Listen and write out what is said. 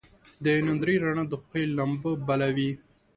د نندارې رڼا د خوښۍ لمبه بله وي.